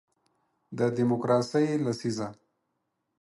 د دیموکراسۍ لسیزه